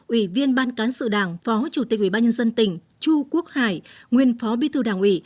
ủy viên ban cán sự đảng phó chủ tịch ủy ban nhân dân tỉnh chu quốc hải nguyên phó bí thư đảng ủy